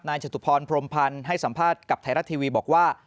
จตุพรพรมพันธ์ให้สัมภาษณ์กับไทยรัฐทีวีบอกว่า